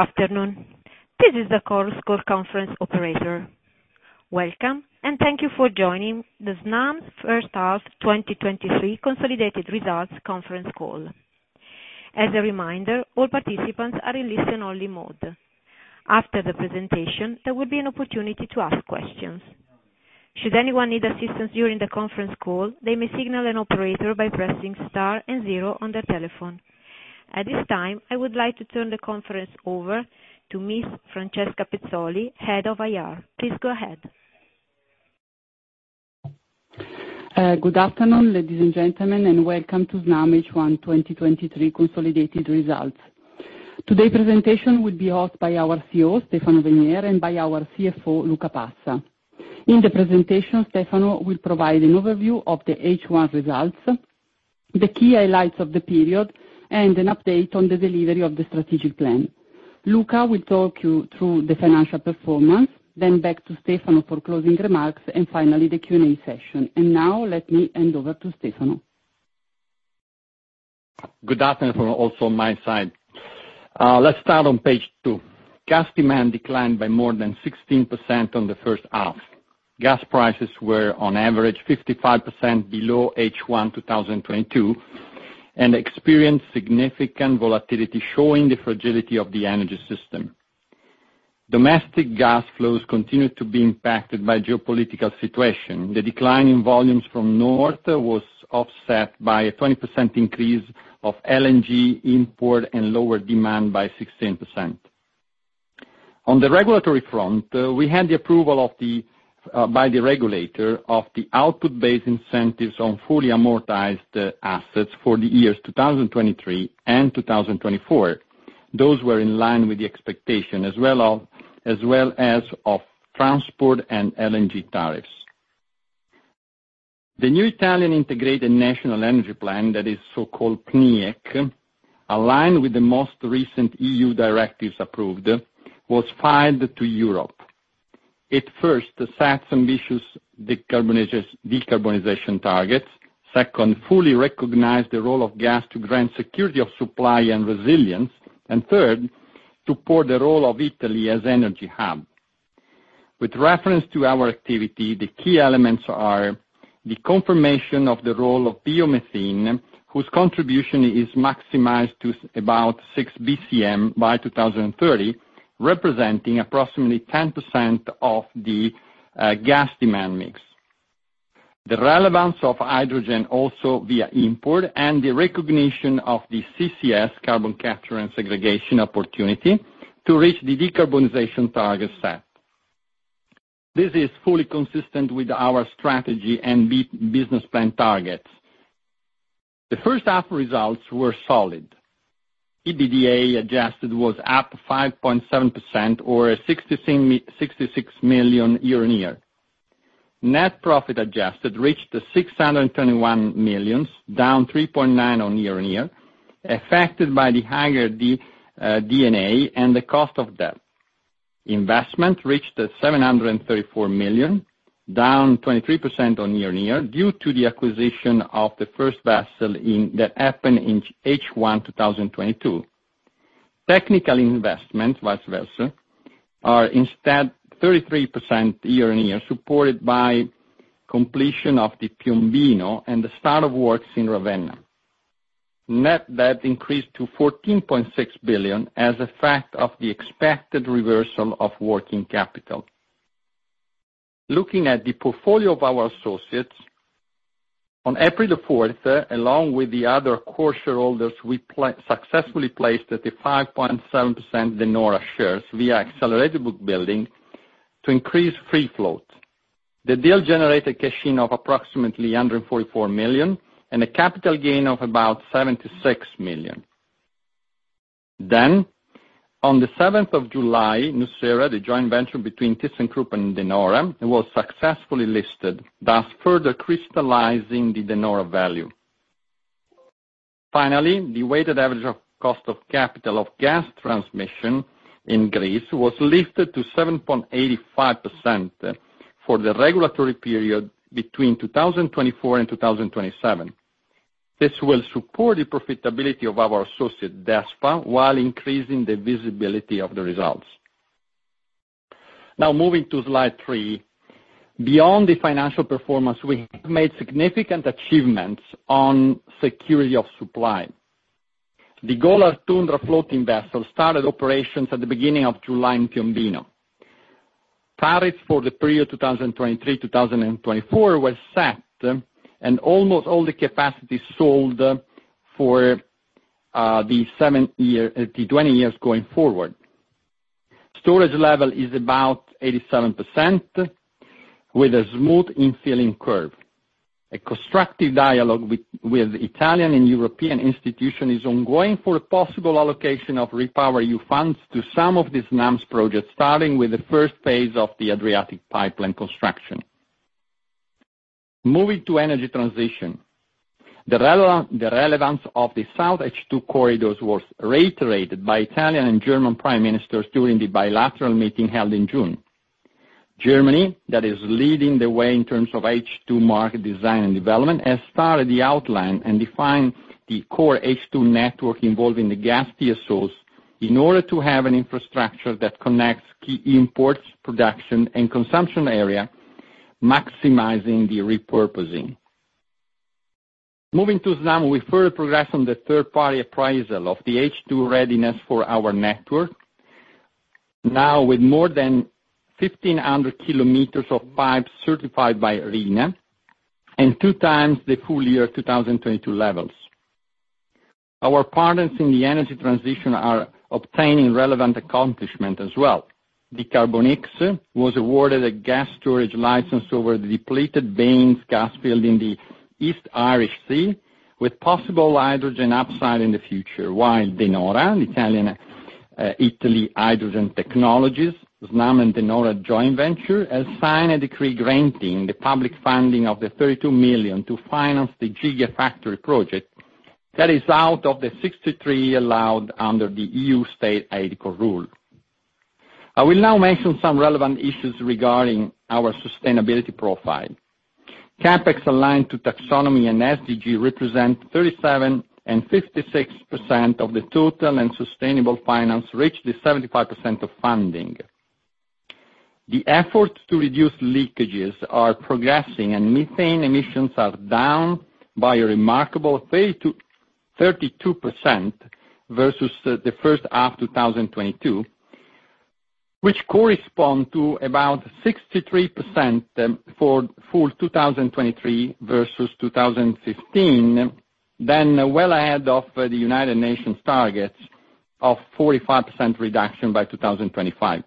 Good afternoon. This is the Chorus Call conference operator. Welcome, and thank you for joining the Snam first half 2023 consolidated results conference call. As a reminder, all participants are in listen-only mode. After the presentation, there will be an opportunity to ask questions. Should anyone need assistance during the conference call, they may signal an operator by pressing star and zero on their telephone. At this time, I would like to turn the conference over to Miss Francesca Pezzoli, Head of IR. Please go ahead. Good afternoon, ladies and gentlemen, and welcome to Snam H1 2023 consolidated results. Today presentation will be hosted by our CEO, Stefano Venier, and by our CFO, Luca Passa. In the presentation, Stefano will provide an overview of the H1 results, the key highlights of the period, and an update on the delivery of the strategic plan. Luca will talk you through the financial performance, then back to Stefano for closing remarks, and finally, the Q&A session. Now let me hand over to Stefano. Good afternoon, also on my side. Let's start on page two. Gas demand declined by more than 16% on the first half. Gas prices were on average 55% below H1 2022, and experienced significant volatility, showing the fragility of the energy system. Domestic gas flows continued to be impacted by geopolitical situation. The decline in volumes from north was offset by a 20% increase of LNG import and lower demand by 16%. On the regulatory front, we had the approval of the by the regulator of the output-based incentives on fully amortized assets for the years 2023 and 2024. Those were in line with the expectation, as well as of transport and LNG tariffs. The new Italian Integrated National Energy Plan, that is so-called PNIEC, aligned with the most recent EU directives approved, was filed to Europe. It first set ambitious decarbonization targets. Second, fully recognize the role of gas to grant security of supply and resilience. Third, support the role of Italy as energy hub. With reference to our activity, the key elements are the confirmation of the role of biomethane, whose contribution is maximized to about 6 bcm by 2030, representing approximately 10% of the gas demand mix. The relevance of hydrogen also via import and the recognition of the CCS, carbon capture and segregation, opportunity to reach the decarbonization target set. This is fully consistent with our strategy and business plan targets. The first half results were solid. EBITDA adjusted was up 5.7% or 66 million year-on-year. Net profit adjusted reached 621 million, down 3.9% year-on-year, affected by the higher D&A and the cost of debt. Investment reached 734 million, down 23% year-on-year, due to the acquisition of the first vessel. That happened in H1 2022. Technical investment, vice versa, are instead 33% year-on-year, supported by completion of the Piombino and the start of works in Ravenna. Net debt increased to 14.6 billion as effect of the expected reversal of working capital. Looking at the portfolio of our associates, on April 4th, along with the other core shareholders, we successfully placed 5.7% De Nora shares via Accelerated Book Building to increase free float. The deal generated cash in of approximately 144 million, and a capital gain of about 76 million. On the 7th of July, Nucera, the joint venture between thyssenkrupp and De Nora, was successfully listed, thus further crystallizing the De Nora value. The weighted average of cost of capital of gas transmission in Greece was lifted to 7.85% for the regulatory period between 2024 and 2027. This will support the profitability of our associate, DESFA, while increasing the visibility of the results. Moving to slide three. Beyond the financial performance, we have made significant achievements on security of supply. The Golar Tundra floating vessel started operations at the beginning of July in Piombino. Tariffs for the period 2023, 2024 was set, and almost all the capacity sold for the seven year, the 20 years going forward. Storage level is about 87%, with a smooth infilling curve. A constructive dialogue with Italian and European institution is ongoing for a possible allocation of REPowerEU funds to some of these Snam's projects, starting with the first phase of the Adriatic pipeline construction. Moving to energy transition. The relevance of the SoutH2 Corridor was reiterated by Italian and German prime ministers during the bilateral meeting held in June. Germany, that is leading the way in terms of H2 market design and development, has started the outline and defined the core H2 network involving the gas PSOs, in order to have an infrastructure that connects key imports, production, and consumption area, maximizing the repurposing. Moving to Snam, we further progress on the third-party appraisal of the H2 readiness for our network. Now with more than 1,500 km of pipes certified by RINA, and two times the full year 2022 levels. Our partners in the energy transition are obtaining relevant accomplishment as well. dCarbonX was awarded a gas storage license over the depleted Bains gas field in the East Irish Sea, with possible hydrogen upside in the future. While De Nora, De Nora Italy Hydrogen Technologies, Snam and De Nora joint venture, has signed a decree granting the public funding of 32 million to finance the Gigafactory project. That is out of the 63 allowed under the EU state aid co rule. I will now mention some relevant issues regarding our sustainability profile. CapEx aligned to taxonomy and SDG represent 37% and 56% of the total and sustainable finance, reached the 75% of funding. The efforts to reduce leakages are progressing, and methane emissions are down by a remarkable 30%-32% versus the first half 2022, which correspond to about 63% for full 2023 versus 2015, well ahead of the United Nations targets of 45% reduction by 2025.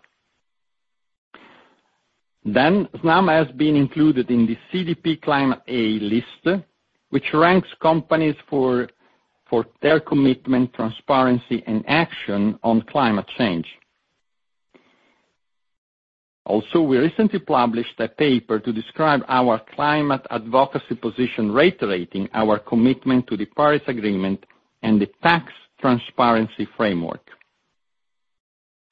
Snam has been included in the CDP Climate A list, which ranks companies for their commitment, transparency, and action on climate change. We recently published a paper to describe our climate advocacy position, reiterating our commitment to the Paris Agreement and the tax transparency framework.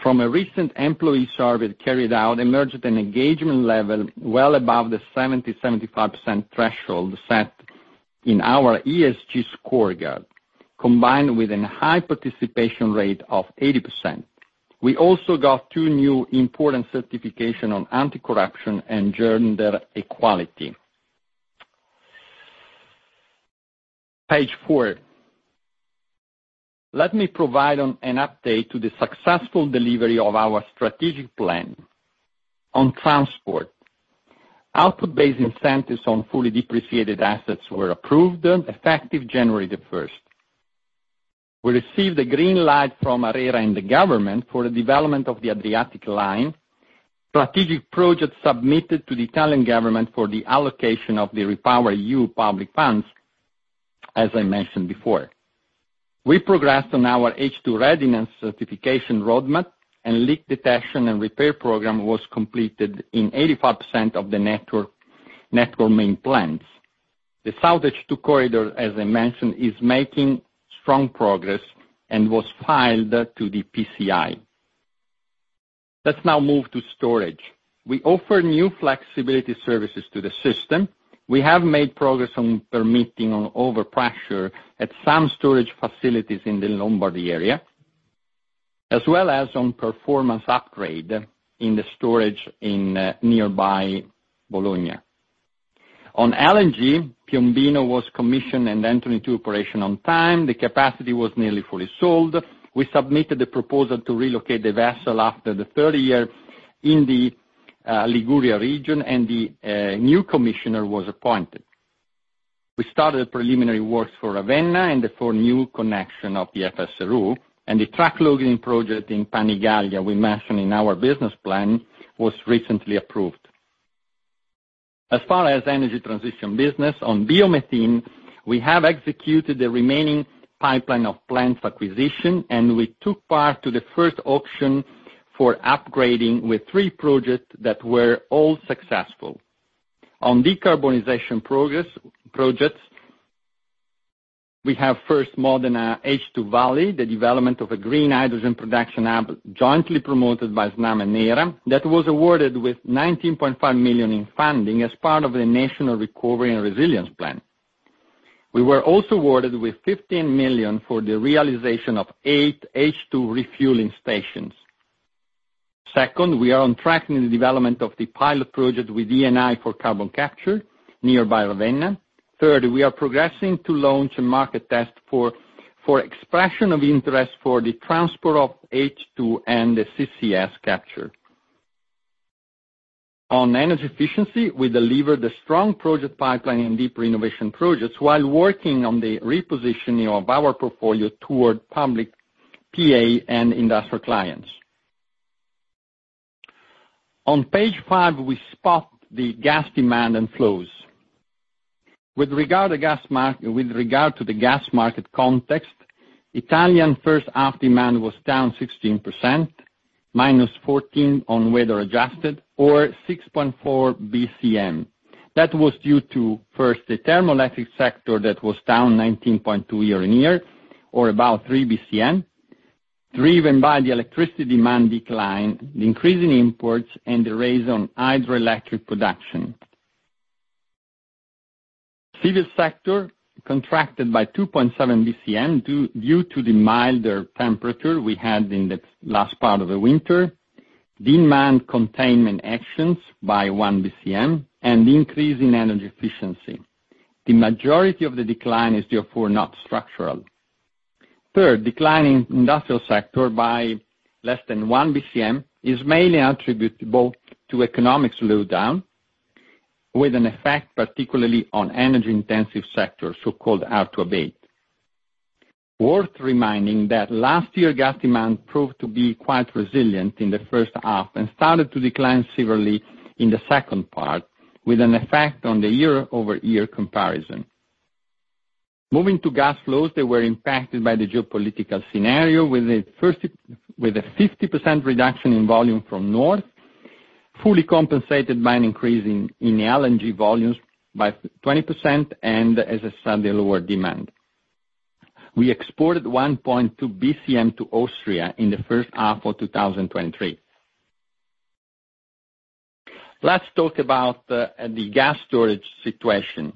From a recent employee survey carried out, emerged an engagement level well above the 70%-75% threshold set in our ESG Scorecard, combined with a high participation rate of 80%. We also got two new important certification on anti-corruption and gender equality. Page four. Let me provide an update to the successful delivery of our strategic plan. On transport, output-based incentives on fully depreciated assets were approved, effective January 1st. We received a green light from ARERA and the government for the development of the Adriatic Line. Strategic projects submitted to the Italian government for the allocation of the REPowerEU public funds, as I mentioned before. We progressed on our H2 readiness certification roadmap, and leak detection and repair program was completed in 85% of the network main plans. The SoutH2 Corridor, as I mentioned, is making strong progress and was filed to the PCI. Let's now move to storage. We offer new flexibility services to the system. We have made progress on permitting on overpressure at some storage facilities in the Lombardy area, as well as on performance upgrade in the storage in nearby Bologna. On LNG, Piombino was commissioned and entered into operation on time. The capacity was nearly fully sold. We submitted a proposal to relocate the vessel after the third year in the Liguria region, and the new commissioner was appointed. We started preliminary works for Ravenna and for new connection of the FSRU, and the truck loading project in Panigaglia, we mentioned in our business plan, was recently approved. As far as energy transition business, on biomethane, we have executed the remaining pipeline of plants acquisition, and we took part to the first auction for upgrading with three projects that were all successful. On decarbonization progress, projects, we have first Modena H2 Valley, the development of a green hydrogen production hub, jointly promoted by Snam and Hera, that was awarded with 19.5 million in funding as part of the National Recovery and Resilience Plan. We were also awarded with 15 million for the realization of eight H2 refueling stations. Second, we are on track in the development of the pilot project with Eni for carbon capture nearby Ravenna. Third, we are progressing to launch a market test for expression of interest for the transport of H2 and the CCS capture. On energy efficiency, we delivered a strong project pipeline in deep renovation projects, while working on the repositioning of our portfolio toward public PA and industrial clients. On page five, we spot the gas demand and flows. With regard to the gas market context, Italian first half demand was down 16%, -14% on weather adjusted, or 6.4 bcm. That was due to, first, the thermal electric sector, that was down 19.2 year and year, or about 3 bcm, driven by the electricity demand decline, the increase in imports, and the raise on hydroelectric production. Civil sector contracted by 2.7 bcm, due to the milder temperature we had in the last part of the winter, demand containment actions by 1 bcm, and the increase in energy efficiency. The majority of the decline is therefore not structural. Third, decline in industrial sector by less than 1 bcm is mainly attributable to economic slowdown, with an effect particularly on energy-intensive sectors, so-called hard to abate. Worth reminding that last year, gas demand proved to be quite resilient in the first half and started to decline severely in the second part, with an effect on the year-over-year comparison. Moving to gas flows, they were impacted by the geopolitical scenario, with a 50% reduction in volume from north, fully compensated by an increase in LNG volumes by 20%, and as a result, the lower demand. We exported 1.2 bcm to Austria in the first half of 2023. Let's talk about the gas storage situation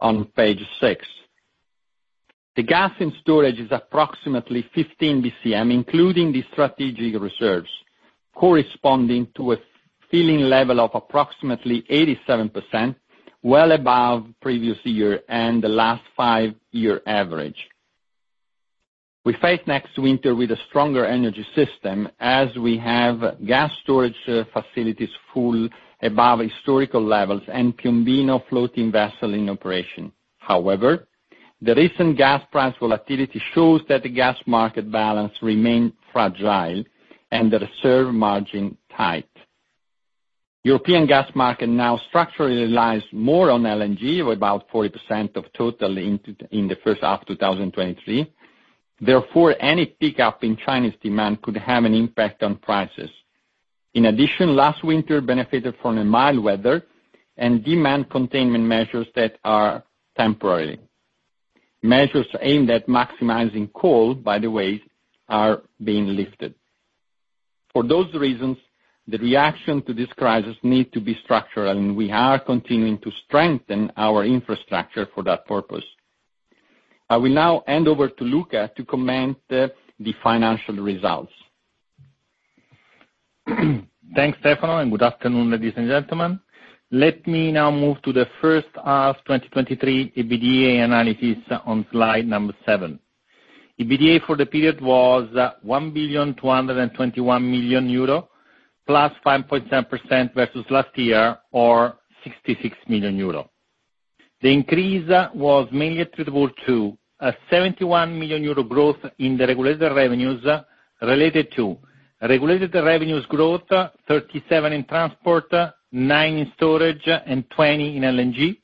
on page 6. The gas in storage is approximately 15 bcm, including the strategic reserves, corresponding to a filling level of approximately 87%, well above previous year and the last 5-year average. We face next winter with a stronger energy system as we have gas storage facilities full above historical levels and Piombino floating vessel in operation. However, the recent gas price volatility shows that the gas market balance remains fragile and the reserve margin tight. European gas market now structurally relies more on LNG, or about 40% of total in the first half of 2023. Therefore, any pickup in Chinese demand could have an impact on prices. In addition, last winter benefited from the mild weather and demand containment measures that are temporary. Measures aimed at maximizing coal, by the way, are being lifted. For those reasons, the reaction to this crisis need to be structural, and we are continuing to strengthen our infrastructure for that purpose. I will now hand over to Luca to comment the financial results. Thanks, Stefano. Good afternoon, ladies and gentlemen. Let me now move to the first half of 2023 EBITDA analysis on slide number 7. EBITDA for the period was 1,221 million euro, +5.7% versus last year, or 66 million euro. The increase was mainly attributable to a 71 million euro growth in the regulated revenues related to regulated revenues growth, 37 in transport, 9 in storage, and 20 in LNG.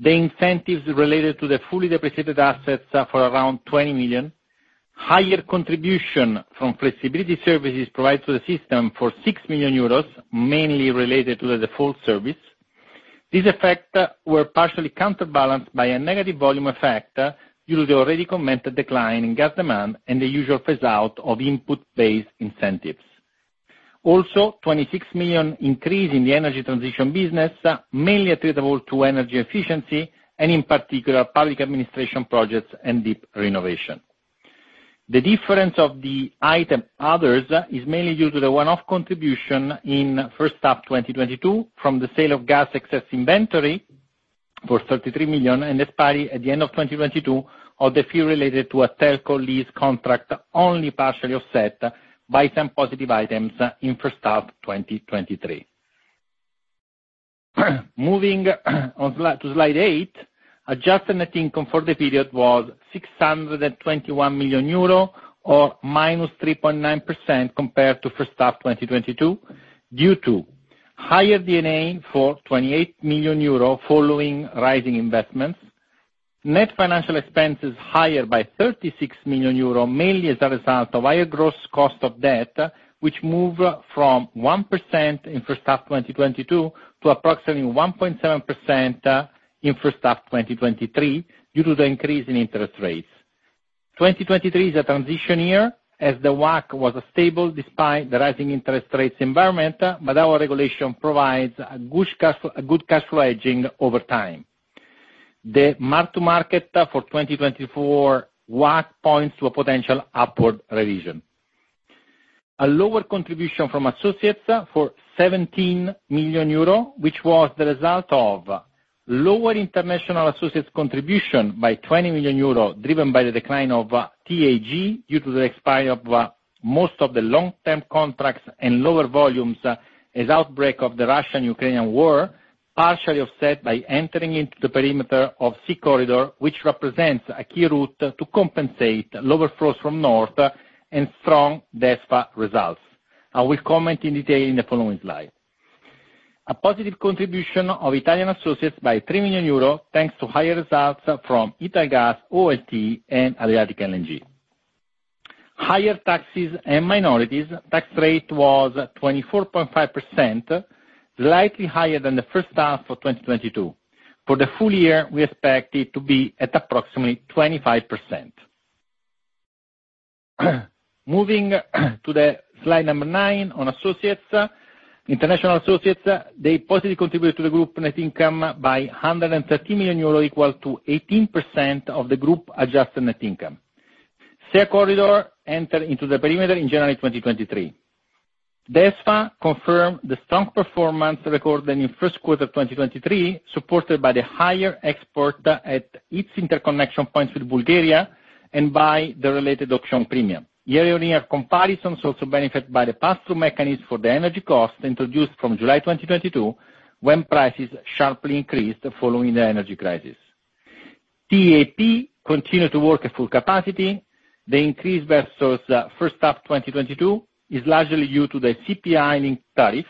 The incentives related to the fully depreciated assets are for around 20 million. Higher contribution from flexibility services provided to the system for 6 million euros, mainly related to the default service. These effects were partially counterbalanced by a negative volume effect due to the already commented decline in gas demand and the usual phase out of input-based incentives. 26 million increase in the energy transition business, mainly attributable to energy efficiency and in particular, public administration projects and deep renovation. The difference of the item, others, is mainly due to the one-off contribution in first half 2022, from the sale of gas excess inventory for 33 million, and expiry at the end of 2022 of the fee related to a telco lease contract, only partially offset by some positive items in first half 2023. Moving on to slide eight, adjusted net income for the period was 621 million euro, or -3.9% compared to first half 2022, due to higher D&A for 28 million euro, following rising investments. Net financial expenses higher by 36 million euro, mainly as a result of higher gross cost of debt, which moved from 1% in first half 2022, to approximately 1.7% in first half 2023, due to the increase in interest rates. 2023 is a transition year, as the WACC was stable despite the rising interest rates environment. Our regulation provides a good cash flow hedging over time. The mark to market for 2024 WACC points to a potential upward revision. A lower contribution from associates for 17 million euro, which was the result of lower international associates contribution by 20 million euro, driven by the decline of TAG, due to the expiry of most of the long-term contracts and lower volumes as outbreak of the Russo-Ukrainian War, partially offset by entering into the perimeter of SeaCorridor, which represents a key route to compensate lower flows from north and strong DESFA results. I will comment in detail in the following slide. A positive contribution of Italian associates by 3 million euro, thanks to higher results from Italgas, OLT, and Adriatic LNG. Higher taxes and minorities. Tax rate was 24.5%, slightly higher than the first half of 2022. For the full year, we expect it to be at approximately 25%. Moving to slide nine on associates, international associates, they positively contribute to the group net income by 113 million euro, equal to 18% of the group adjusted net income. SeaCorridor entered into the perimeter in January 2023. DESFA confirmed the strong performance recorded in first quarter 2023, supported by the higher export at its interconnection points with Bulgaria, and by the related auction premium. Year-on-year comparisons also benefit by the pass-through mechanism for the energy cost introduced from July 2022, when prices sharply increased following the energy crisis. TAP continued to work at full capacity. The increase versus first half 2022 is largely due to the CPI linked tariff.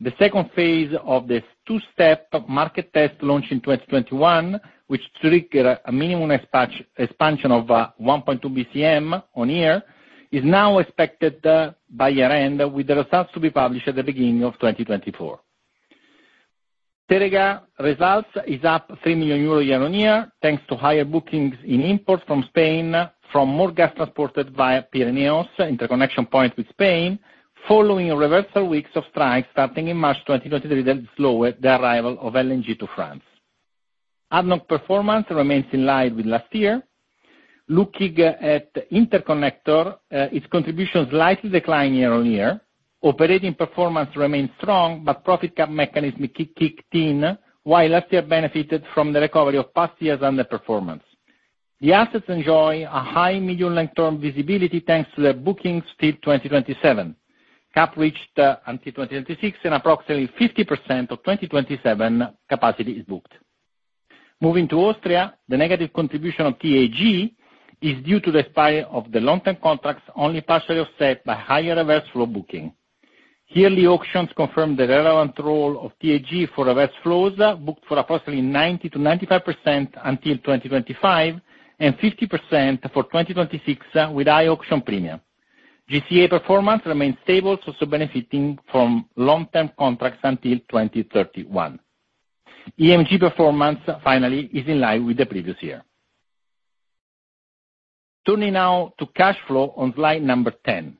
The second phase of the two-step market test launched in 2021, which trigger a minimum expansion of 1.2 bcm on IR, is now expected by year-end, with the results to be published at the beginning of 2024. Teréga results is up 3 million euro year-on-year, thanks to higher bookings in imports from Spain, from more gas transported via Pyrenees Interconnection point with Spain, following a reversal weeks of strikes starting in March 2023, that slowed the arrival of LNG to France. ADNOC performance remains in line with last year. Looking at Interconnector, its contribution slightly declined year-on-year. Operating performance remains strong, but profit cap mechanism kicked in, while last year benefited from the recovery of past years underperformance. The assets enjoy a high medium long-term visibility, thanks to the bookings till 2027. Cap reached until 2026, approximately 50% of 2027 capacity is booked. Moving to Austria, the negative contribution of TAG is due to the expire of the long-term contracts, only partially offset by higher reverse flow booking. Yearly auctions confirmed the relevant role of TAG for reverse flows, booked for approximately 90%-95% until 2025, and 50% for 2026, with high auction premium. GCA performance remains stable, also benefiting from long-term contracts until 2031. EMG performance, finally, is in line with the previous year. Turning now to cash flow on slide number 10.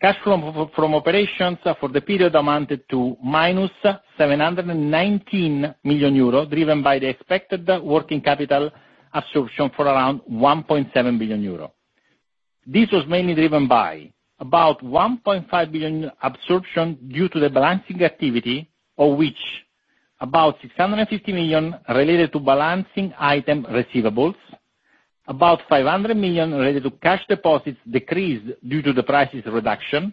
Cash flow from operations for the period amounted to minus 719 million euro, driven by the expected working capital absorption for around 1.7 billion euro. This was mainly driven by about 1.5 billion absorption due to the balancing activity, of which about 650 million related to balancing item receivables, about 500 million related to cash deposits decreased due to the prices reduction,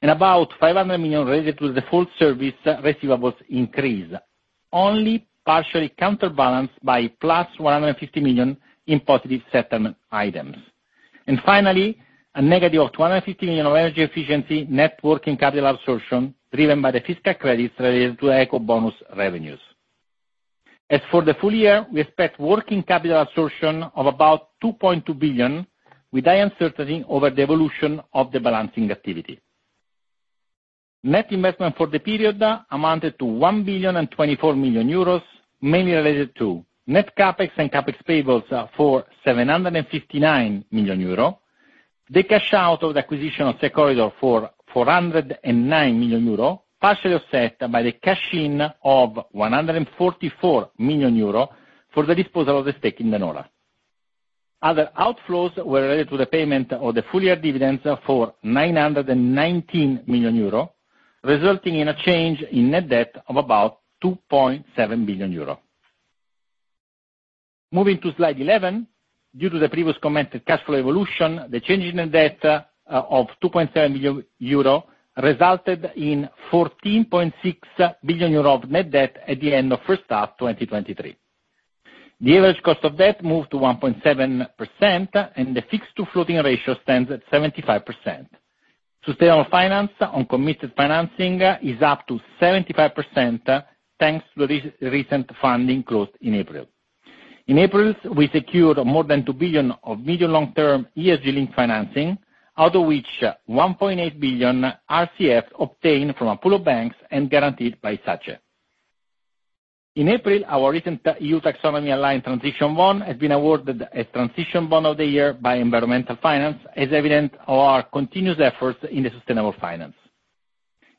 and about 500 million related to the full service receivables increase, only partially counterbalanced by +150 million in positive settlement items. Finally, a negative of 250 million of energy efficiency net working capital absorption, driven by the fiscal credits related to Ecobonus revenues. As for the full year, we expect working capital absorption of about 2.2 billion, with high uncertainty over the evolution of the balancing activity. Net investment for the period amounted to 1,024 million euros, mainly related to net CapEx and CapEx payables for 759 million euro, the cash out of the acquisition of SeaCorridor for 409 million euro, partially offset by the cash in of 144 million euro for the disposal of the stake in De Nora. Other outflows were related to the payment of the full year dividends for 919 million euro, resulting in a change in net debt of about 2.7 billion euro. Moving to slide 11. Due to the previous commented cash flow evolution, the change in the debt of 2.7 million euro resulted in 14.6 billion euro of net debt at the end of first half, 2023. The average cost of debt moved to 1.7%, and the fixed-to-floating ratio stands at 75%. Sustainable finance on committed financing is up to 75%, thanks to this recent funding closed in April. In April, we secured more than 2 billion of medium long-term ESG link financing, out of which 1.8 billion RCF obtained from a pool of banks and guaranteed by SACE. In April, our recent EU Taxonomy Aligned Transition Bond has been awarded as Transition Bond of the Year by Environmental Finance, as evident of our continuous efforts in the sustainable finance.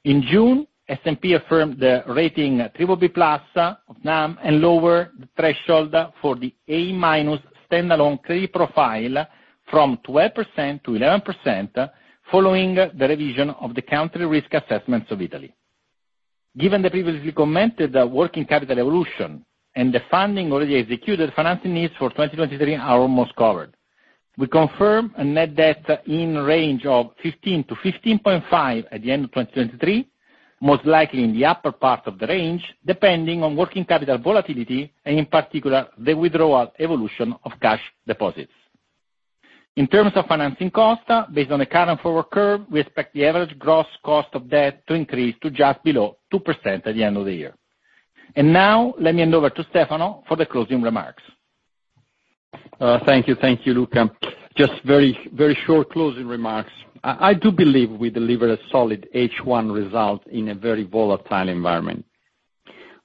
In June, S&P affirmed the rating BBB+ of Snam, and lowered the threshold for the A- standalone credit profile from 12% to 11%, following the revision of the country risk assessments of Italy. Given the previously commented working capital evolution and the funding already executed, financing needs for 2023 are almost covered. We confirm a net debt in range of 15-15.5 at the end of 2023, most likely in the upper part of the range, depending on working capital volatility, and in particular, the withdrawal evolution of cash deposits. In terms of financing costs, based on the current forward curve, we expect the average gross cost of debt to increase to just below 2% at the end of the year. Now, let me hand over to Stefano for the closing remarks. Thank you. Thank you, Luca. Just very, very short closing remarks. I do believe we delivered a solid H1 result in a very volatile environment.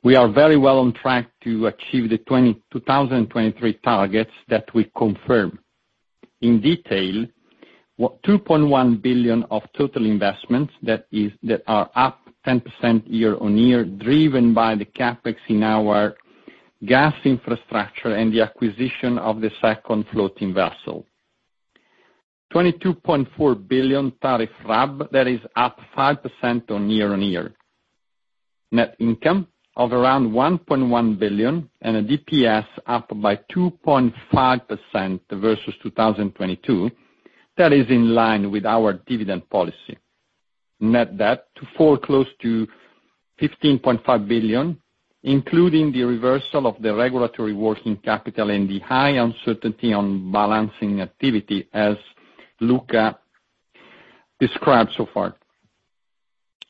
We are very well on track to achieve the 2023 targets that we confirm. In detail, 2.1 billion of total investments, that are up 10% year-on-year, driven by the CapEx in our gas infrastructure and the acquisition of the second floating vessel. 22.4 billion tariff RAB, that is up 5% year-on-year. Net income of around 1.1 billion, and a DPS up by 2.5% versus 2022, that is in line with our dividend policy. Net debt to fall close to 15.5 billion, including the reversal of the regulatory working capital and the high uncertainty on balancing activity, as Luca described so far.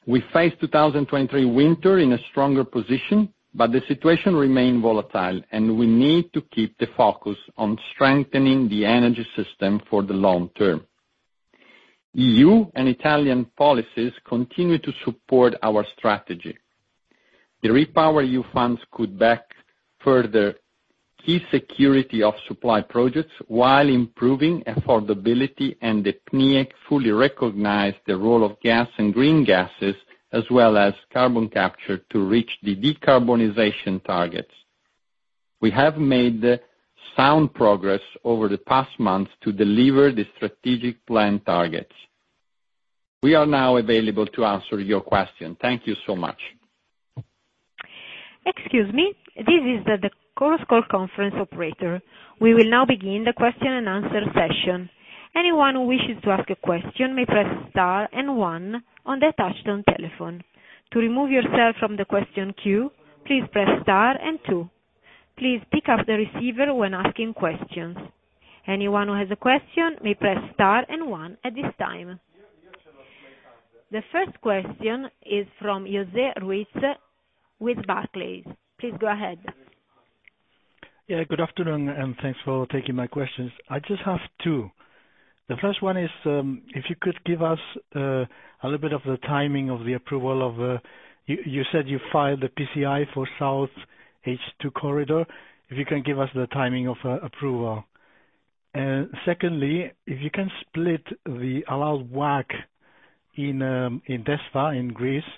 We face 2023 winter in a stronger position. The situation remain volatile. We need to keep the focus on strengthening the energy system for the long term. EU and Italian policies continue to support our strategy. The REPowerEU funds could back further key security of supply projects while improving affordability. The PNIEC fully recognize the role of gas and green gases, as well as carbon capture to reach the decarbonization targets. We have made sound progress over the past months to deliver the strategic plan targets. We are now available to answer your question. Thank you so much. Excuse me, this is the conference call operator. We will now begin the question and answer session. Anyone who wishes to ask a question may press star and one on the touchtone telephone. To remove yourself from the question queue, please press star and two. Please pick up the receiver when asking questions. Anyone who has a question may press star and one at this time. The first question is from José Ruiz with Barclays. Please go ahead. Yeah, good afternoon, and thanks for taking my questions. I just have two. The first one is, if you could give us a little bit of the timing of the approval. You said you filed the PCI for SoutH2 Corridor, if you can give us the timing of approval. Secondly, if you can split the allowed WACC in DESFA in Greece,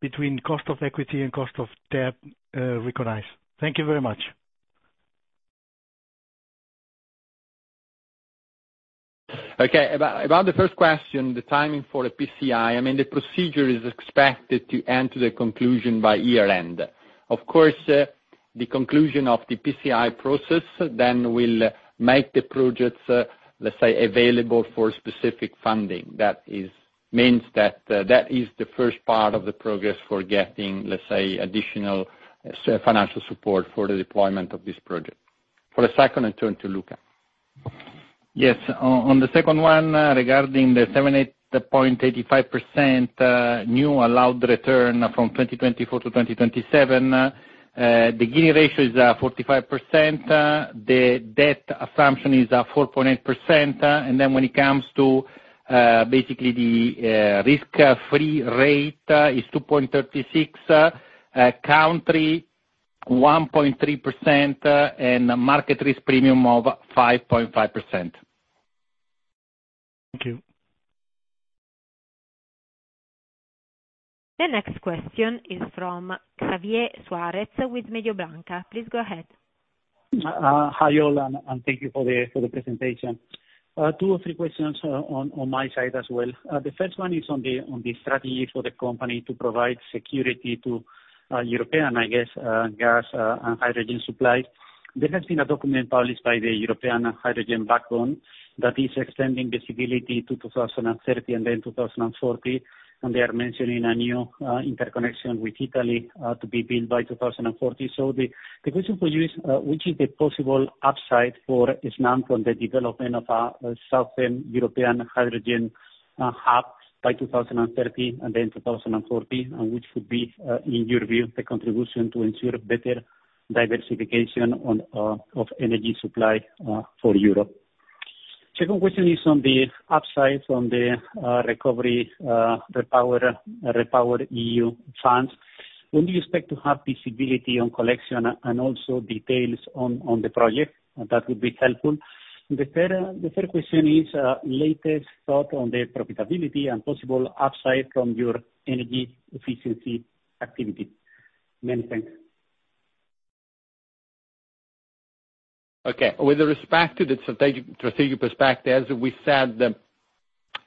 between cost of equity and cost of debt, recognized. Thank you very much. Okay. About the first question, the timing for the PCI, I mean, the procedure is expected to end to the conclusion by year-end. Of course, the conclusion of the PCI process will make the projects, let's say, available for specific funding. That is, means that, that is the first part of the progress for getting, let's say, additional financial support for the deployment of this project. For the second, I turn to Luca. Yes. On, on the second one, regarding the 70.85% new allowed return from 2024 to 2027, the gear ratio is 45%, the debt assumption is 4.8%. When it comes to, basically the risk-free rate is 2.36%, country 1.3%, and a market risk premium of 5.5%. Thank you. The next question is from Javier Suárez with Mediobanca. Please go ahead. Hi, all. Thank you for the presentation. Two or three questions, on my side as well. The first one is on the strategy for the company to provide security to European, I guess, gas and hydrogen supply. There has been a document published by the European Hydrogen Backbone that is extending visibility to 2030, then 2040. They are mentioning a new interconnection with Italy to be built by 2040. The question for you is which is the possible upside for Snam from the development of southern European hydrogen hub by 2030 and then 2040, and which would be in your view, the contribution to ensure better diversification of energy supply for Europe? Second question is on the upside from the recovery REPowerEU funds. When do you expect to have visibility on collection and also details on the project? That would be helpful. The third question is latest thought on the profitability and possible upside from your energy efficiency activity. Many thanks. Okay. With respect to the strategic perspective, as we said, the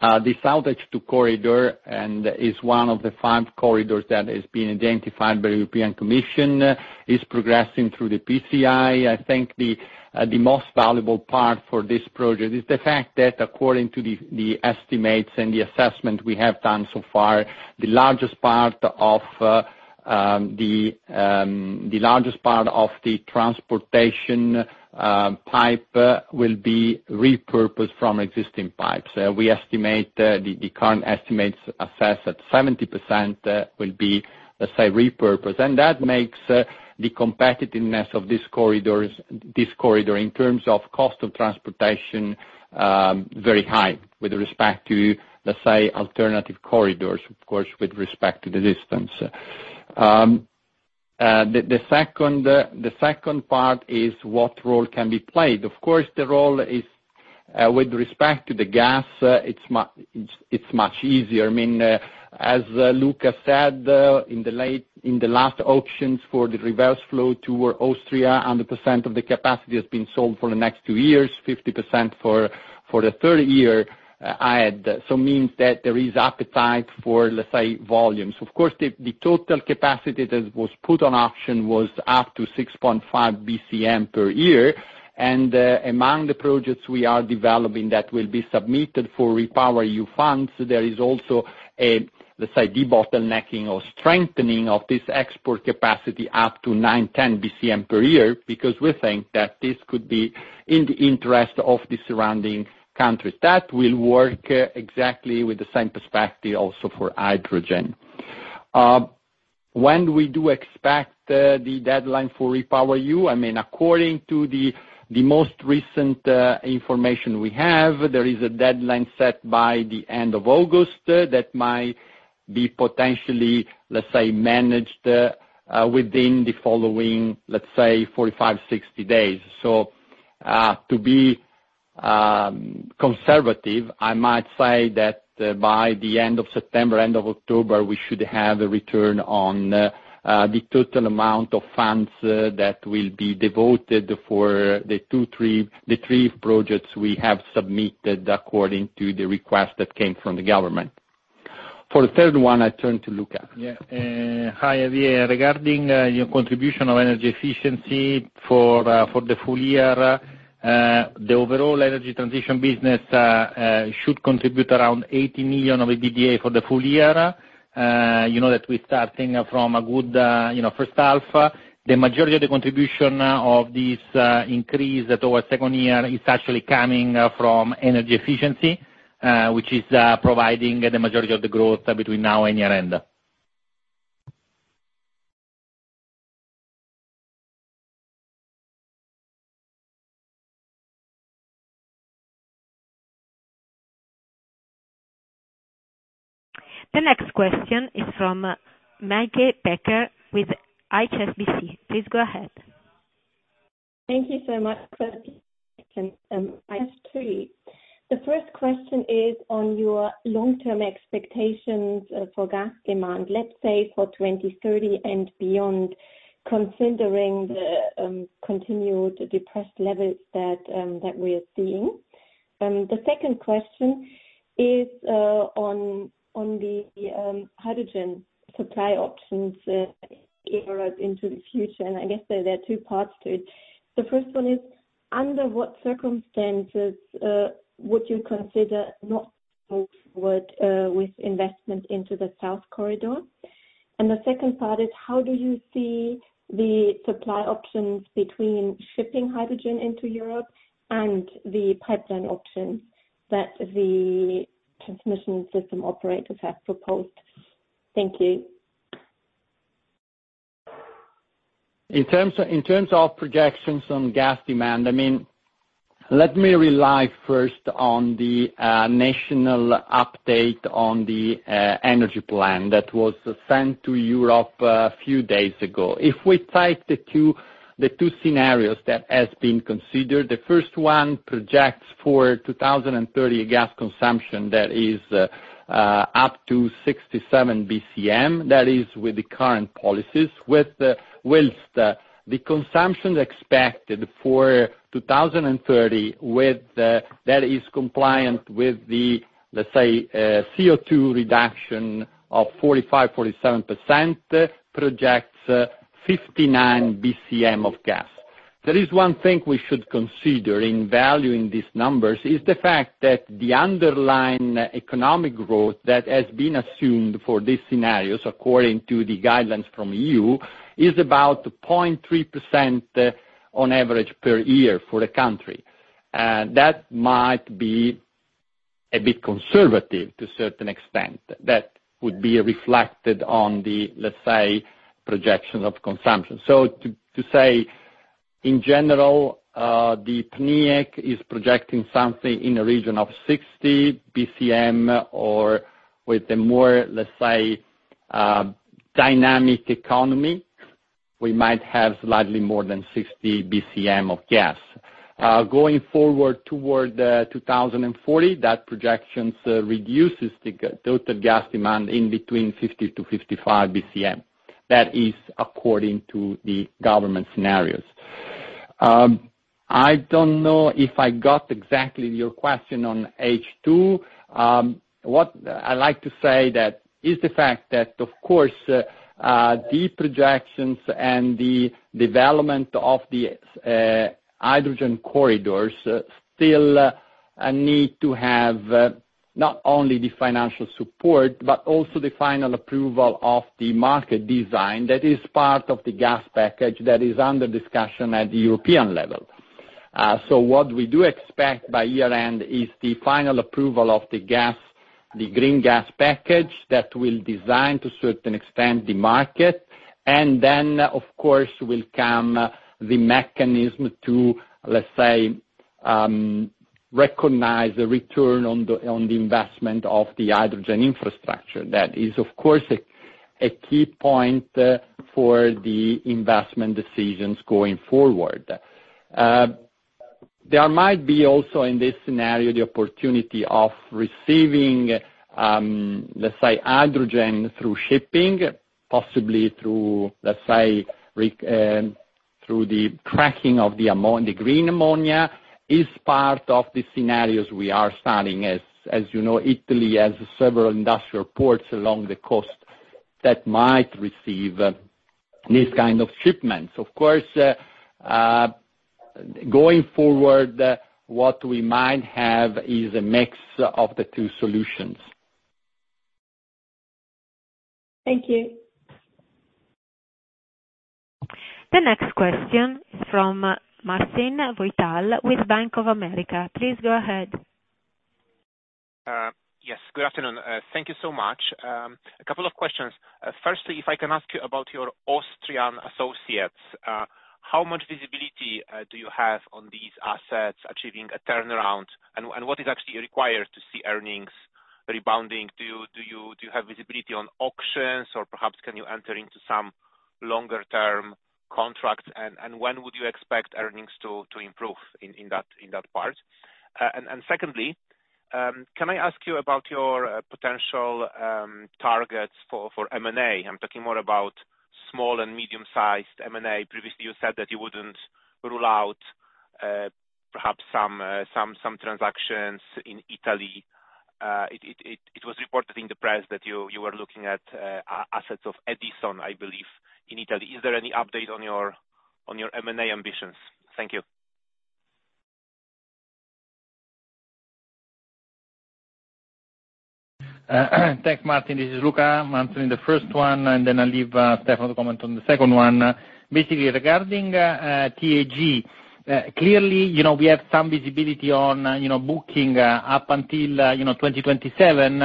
SoutH2 Corridor and is one of the five corridors that has been identified by the European Commission, is progressing through the PCI. I think the most valuable part for this project is the fact that according to the estimates and the assessment we have done so far, the largest part of the transportation pipe will be repurposed from existing pipes. We estimate the current estimates assess that 70% will be, let's say, repurposed, and that makes the competitiveness of this corridor in terms of cost of transportation, very high with respect to, let's say, alternative corridors, of course, with respect to the distance. The second part is what role can be played? Of course, the role is with respect to the gas, it's much easier. I mean, as Luca said, in the last auctions for the reverse flow toward Austria, 100% of the capacity has been sold for the next 2 years, 50% for the third year. Means that there is appetite for, let's say, volumes. Of course, the total capacity that was put on auction was up to 6.5 bcm per year. Among the projects we are developing that will be submitted for REPowerEU funds, there is also a debottlenecking or strengthening of this export capacity up to 9 bcm, 10 bcm per year, because we think that this could be in the interest of the surrounding countries. That will work exactly with the same perspective also for hydrogen. When do we expect the deadline for REPowerEU? I mean, according to the most recent information we have, there is a deadline set by the end of August that might be potentially managed within the following 45 days-60 days. To be conservative, I might say that by the end of September, end of October, we should have a return on the total amount of funds that will be devoted for the three projects we have submitted according to the request that came from the government. For the third one, I turn to Luca. Hi, Javier. Regarding your contribution of energy efficiency for the full year, the overall energy transition business should contribute around 80 million of EBITDA for the full year. You know that we're starting from a good, you know, first half. The majority of the contribution now of this increase toward second year is actually coming from energy efficiency, which is providing the majority of the growth between now and year end. The next question is from Meike Becker with HSBC. Please go ahead. Thank you so much I have three. The first question is on your long-term expectations for gas demand, let's say for 2030 and beyond, considering the continued depressed levels that we are seeing. The second question is on the hydrogen supply options into the future, and I guess there are two parts to it. The first one is, under what circumstances would you consider not forward with investment into the South Corridor? The second part is, how do you see the supply options between shipping hydrogen into Europe and the pipeline option that the transmission system operators have proposed? Thank you. In terms of projections on gas demand, let me rely first on the national update on the energy plan that was sent to Europe a few days ago. If we take the two scenarios that has been considered, the first one projects for 2030 gas consumption that is up to 67 bcm, that is with the current policies. Whilst the consumption expected for 2030, that is compliant with the CO2 reduction of 45%-47%, projects 59 bcm of gas. There is 1 thing we should consider in valuing these numbers, is the fact that the underlying economic growth that has been assumed for these scenarios, according to the guidelines from EU, is about 0.3% on average per year for the country. That might be a bit conservative to a certain extent. That would be reflected on the, let's say, projections of consumption. To say, in general, the PNIEC is projecting something in the region of 60 bcm or with a more, let's say, dynamic economy, we might have slightly more than 60 bcm of gas. Going forward toward 2040, that projections reduces the total gas demand in between 50-55 bcm. That is according to the government scenarios. I don't know if I got exactly your question on H2. What I'd like to say that is the fact that, of course, these projections and the development of the hydrogen corridors still need to have. Not only the financial support, but also the final approval of the market design that is part of the gas package that is under discussion at the European level. What we do expect by year-end is the final approval of the gas, the green gas package, that will design to a certain extent the market, and then, of course, will come the mechanism to, let's say, recognize the return on the investment of the hydrogen infrastructure. That is, of course, a key point for the investment decisions going forward. There might be also, in this scenario, the opportunity of receiving, let's say, hydrogen through shipping, possibly through, let's say, through the cracking of the green ammonia, is part of the scenarios we are studying. As you know, Italy has several industrial ports along the coast that might receive, this kind of shipments. Of course, going forward, what we might have is a mix of the two solutions. Thank you. The next question from Marcin Wojtal with Bank of America. Please go ahead. Yes. Good afternoon. Thank you so much. A couple of questions. Firstly, if I can ask you about your Austrian associates, how much visibility do you have on these assets achieving a turnaround? What is actually required to see earnings rebounding? Do you have visibility on auctions, or perhaps can you enter into some longer term contracts? When would you expect earnings to improve in that part? Secondly, can I ask you about your potential targets for M&A? I'm talking more about small and medium-sized M&A. Previously, you said that you wouldn't rule out, perhaps some transactions in Italy. It was reported in the press that you were looking at assets of Edison, I believe, in Italy. Is there any update on your M&A ambitions? Thank you. Thanks, Martin. This is Luca. I'm answering the first one, and then I'll leave Stefano to comment on the second one. Basically regarding TAG, clearly, you know, we have some visibility on, you know, booking up until, you know, 2027.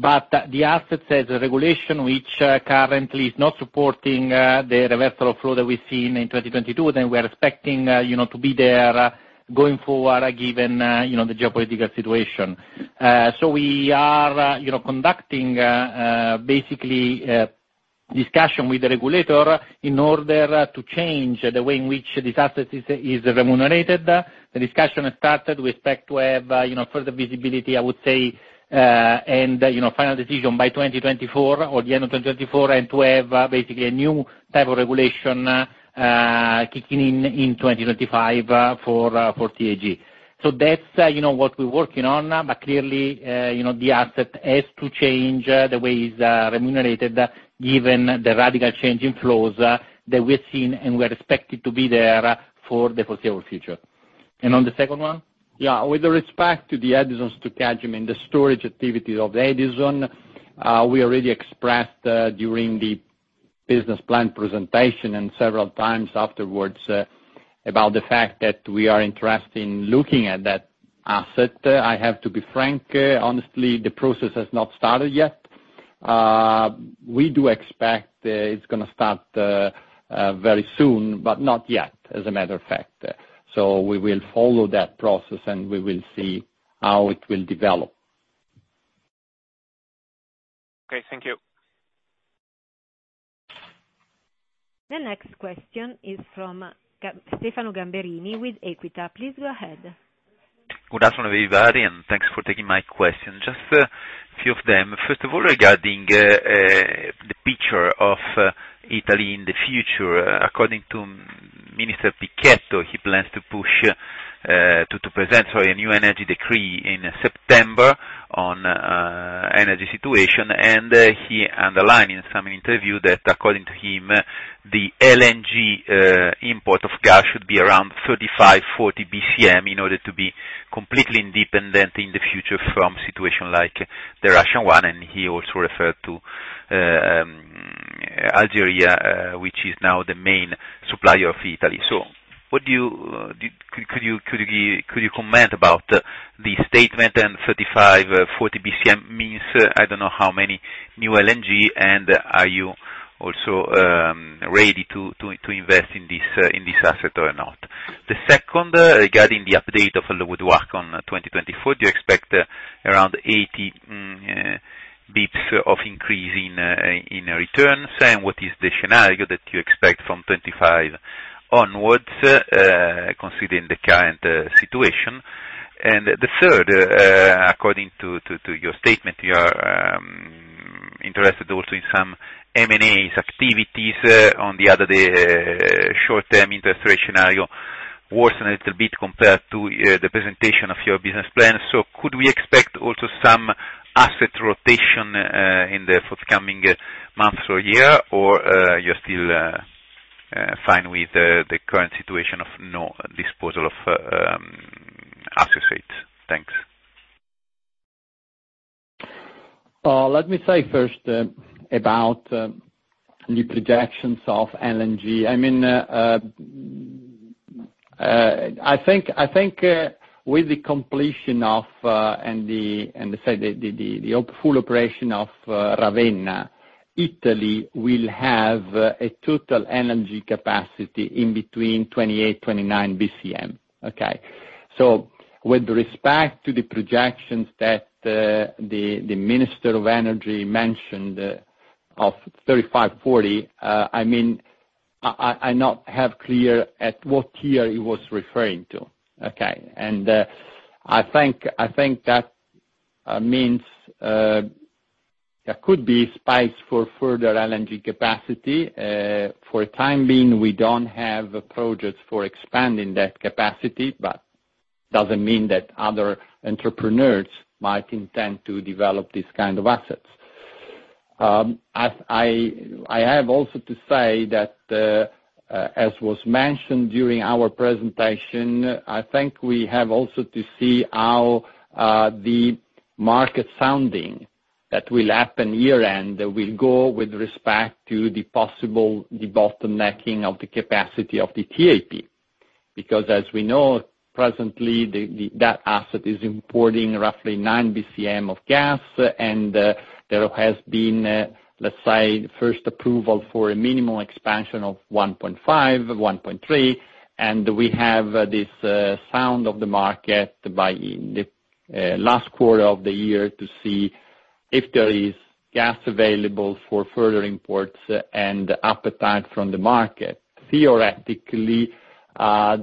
The assets as a regulation, which currently is not supporting the reversal of flow that we've seen in 2022, then we are expecting, you know, to be there going forward, given, you know, the geopolitical situation. We are, you know, conducting basically discussion with the regulator in order to change the way in which this asset is remunerated. The discussion has started. We expect to have, you know, further visibility, I would say, and, you know, final decision by 2024 or the end of 2024, and to have, basically a new type of regulation, kicking in, in 2025, for TAG. That's, you know, what we're working on. Clearly, you know, the asset has to change, the way it's remunerated, given the radical change in flows, that we've seen, and we are expected to be there, for the foreseeable future. On the second one? Yeah. With respect to the Edison's to catch them in the storage activity of Edison, we already expressed during the business plan presentation and several times afterwards about the fact that we are interested in looking at that asset. I have to be frank, honestly, the process has not started yet. We do expect it's gonna start very soon, but not yet, as a matter of fact. We will follow that process, and we will see how it will develop. Okay. Thank you. The next question is from Stefano Gamberini with Equita. Please go ahead. Good afternoon, everybody, and thanks for taking my question. Just a few of them. First of all, regarding the picture of Italy in the future. According to Minister Pichetto, he plans to present a new energy decree in September on energy situation. He underlined in some interview that according to him, the LNG import of gas should be around 35 bcm, 40 bcm in order to be completely independent in the future from situation like the Russian one. He also referred to Algeria, which is now the main supplier of Italy. What do you do... Could you comment about the statement 35 bcm, 40 bcm means, I don't know how many new LNG, are you also ready to invest in this asset or not? The second, regarding the update of the WACC on 2024, do you expect around 80 basis points of increase in returns? What is the scenario that you expect from 25 basis points onwards, considering the current situation? The third, according to your statement, you are interested also in some M&As activities, on the other day, short-term interest rate scenario worsened a little bit compared to the presentation of your business plan. Could we expect also some asset rotation in the forthcoming months or year, or you're still? Fine with the current situation of no disposal of associates? Thanks. Let me say first about the projections of LNG. I think with the completion of and the full operation of Ravenna, Italy will have a total energy capacity in between 28 bcm-29 bcm, okay. With respect to the projections that the Minister of Energy mentioned of 35 bcm-40 bcm, I not have clear at what year he was referring to, okay. I think that means there could be space for further LNG capacity. For the time being, we don't have projects for expanding that capacity, but doesn't mean that other entrepreneurs might intend to develop these kind of assets. I have also to say that, as was mentioned during our presentation, I think we have also to see how the market sounding that will happen year-end will go with respect to the possible bottlenecking of the capacity of the TAP. As we know, presently, that asset is importing roughly 9 bcm of gas, there has been, let's say, first approval for a minimal expansion of 1.5, 1.3, we have this sound of the market by the last quarter of the year to see if there is gas available for further imports and appetite from the market. Theoretically,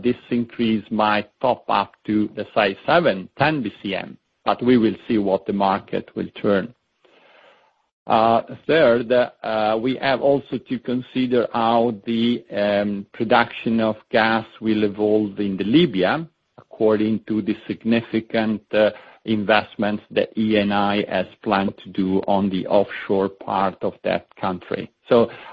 this increase might top up to, let's say, 7 bcm, 10 bcm, we will see what the market will turn. Third, we have also to consider how the production of gas will evolve in Libya, according to the significant investments that Eni has planned to do on the offshore part of that country.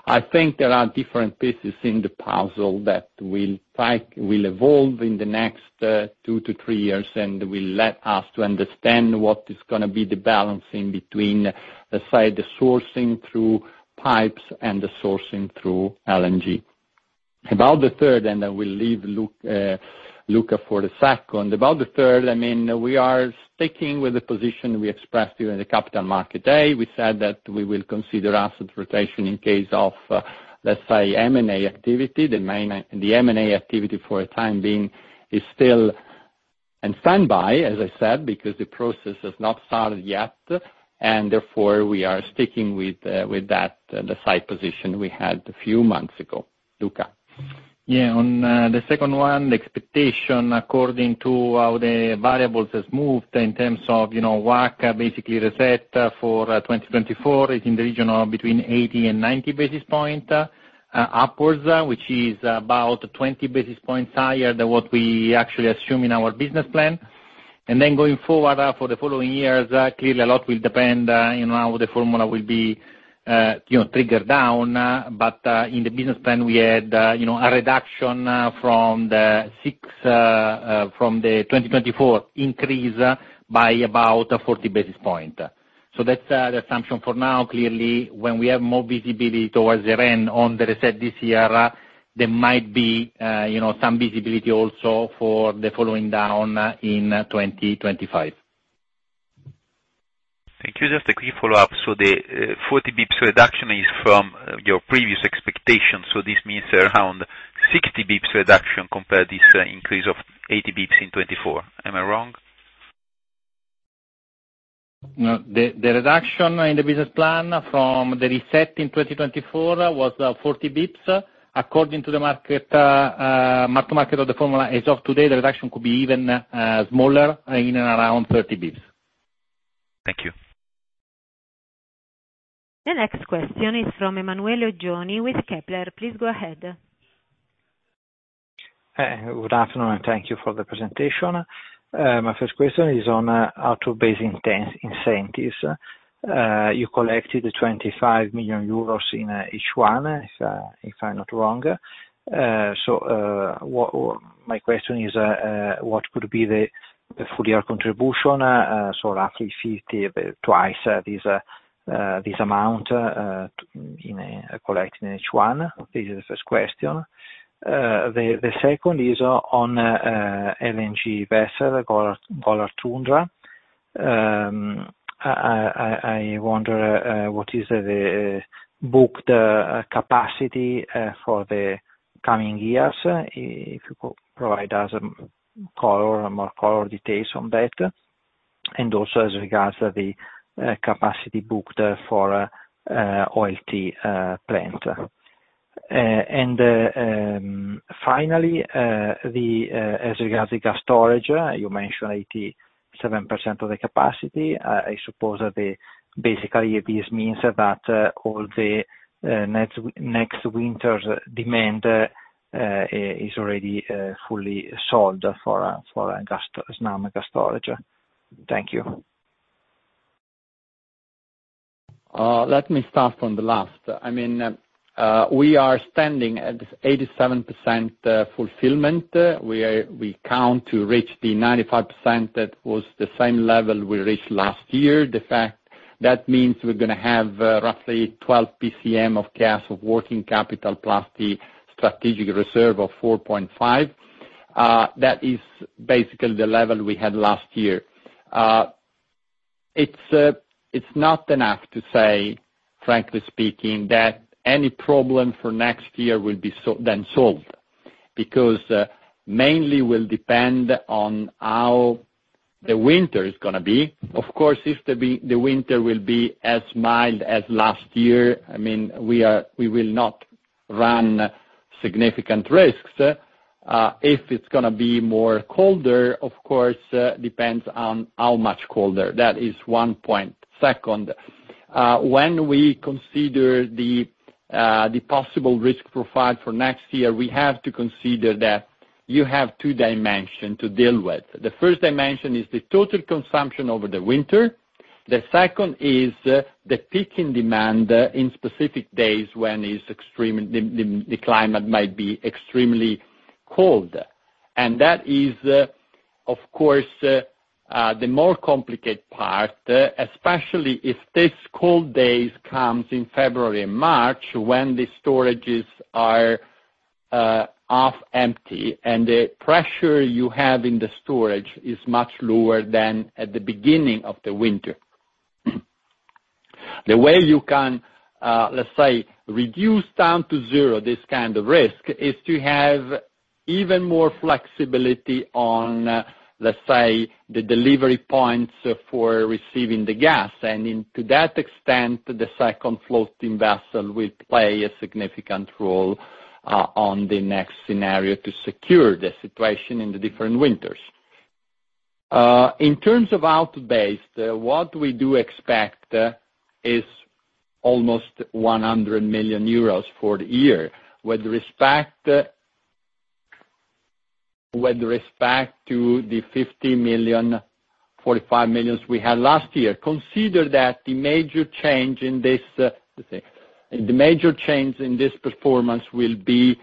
I think there are different pieces in the puzzle that will evolve in the next 2 years-3 years, and will let us to understand what is gonna be the balancing between, let's say, the sourcing through pipes and the sourcing through LNG. About the third, we'll leave Luca for the second. About the third, I mean, we are sticking with the position we expressed during the Capital Markets Day. We said that we will consider asset rotation in case of, let's say, M&A activity. The M&A activity for the time being is still on standby, as I said, because the process has not started yet. Therefore, we are sticking with that, the same position we had a few months ago. Luca? On the second one, the expectation, according to how the variables has moved in terms of, you know, WACC, basically reset for 2024, is in the region of between 80 and 90 basis points upwards, which is about 20 basis points higher than what we actually assume in our business plan. Going forward, for the following years, clearly a lot will depend on how the formula will be, you know, triggered down. In the business plan, we had, you know, a reduction from the six, from the 2024 increase by about 40 basis points. That's the assumption for now. Clearly, when we have more visibility towards the end on the reset this year, there might be, you know, some visibility also for the following down in 2025. Thank you. Just a quick follow-up. The 40 basis points reduction is from your previous expectations. This means around 60 basis points reduction compared this increase of 80 basis points in 2024. Am I wrong? The reduction in the business plan from the reset in 2024 was 40 basis points. According to the market-to-market of the formula, as of today, the reduction could be even smaller, in and around 30 basis points. Thank you. The next question is from Emanuele Oggioni with Kepler. Please go ahead. Good afternoon, thank you for the presentation. My first question is on output-based incentives. You collected 25 million euros in each one, if I'm not wrong. My question is, what could be the full year contribution, so roughly 50, twice this amount, in collected in each one? This is the first question. The second is on LNG vessel, called Tundra. I wonder, what is the booked capacity for the coming years? If you could provide us color, more color details on that. Also as regards to the capacity booked for OLT plant. Finally, as regards the gas storage, you mentioned 87% of the capacity. I suppose that basically, this means that all the next winter's demand is already fully sold for gas, Snam gas storage. Thank you. Let me start from the last. I mean, we are standing at 87% fulfillment. We count to reach the 95%, that was the same level we reached last year. The fact, that means we're gonna have roughly 12 bcm of cash, of working capital, plus the strategic reserve of 4.5. That is basically the level we had last year. It's not enough to say, frankly speaking, that any problem for next year will be then solved, because mainly will depend on how the winter is gonna be. Of course, if the winter will be as mild as last year, I mean, we will not run significant risks. If it's gonna be more colder, of course, depends on how much colder. That is 1 point. Second, when we consider the possible risk profile for next year, we have to consider that you have two dimension to deal with. The first dimension is the total consumption over the winter. The second is the peak in demand in specific days when it's extreme, the climate might be extremely cold. That is, of course, the more complicated part, especially if these cold days comes in February and March, when the storages are half empty, and the pressure you have in the storage is much lower than at the beginning of the winter. The way you can, let's say, reduce down to zero this kind of risk, is to have even more flexibility on, let's say, the delivery points for receiving the gas, and in to that extent, the second floating vessel will play a significant role on the next scenario to secure the situation in the different winters. In terms of outbase, what we do expect is almost 100 million euros for the year. With respect to the 50 million, 45 million we had last year, consider that the major change in this performance will be,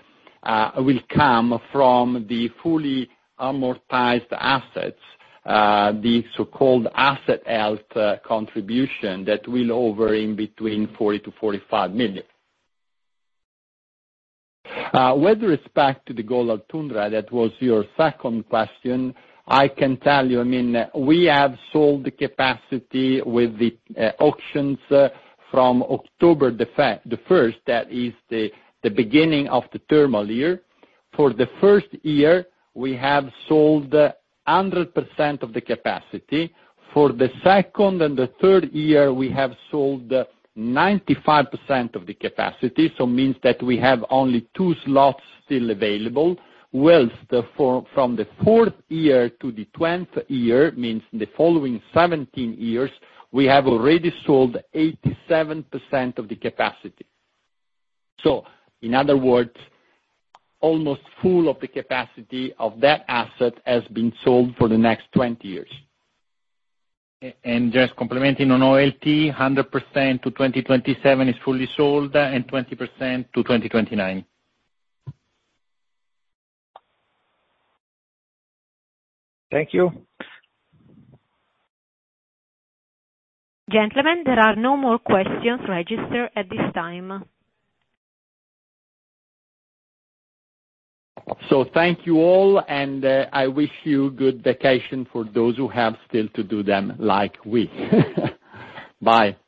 will come from the fully amortized assets, the so-called Asset Health contribution that will hover in between 40 million-45 million. With respect to the Golar Tundra, that was your second question, I can tell you, I mean, we have sold the capacity with the auctions from October, the first, that is the beginning of the terminal year. For the first year, we have sold 100% of the capacity. For the second and the third year, we have sold 95% of the capacity, so means that we have only two slots still available. Whilst from the fourth year to the 20th year, means in the following 17 years, we have already sold 87% of the capacity. In other words, almost full of the capacity of that asset has been sold for the next 20 years. Just complementing on OLT, 100% to 2027 is fully sold, and 20% to 2029. Thank you. Gentlemen, there are no more questions registered at this time. Thank you all, and I wish you good vacation for those who have still to do them, like we. Bye.